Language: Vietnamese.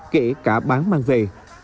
kể cả bán mang về